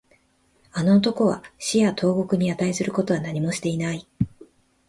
あの男は死や投獄に値することは何もしていない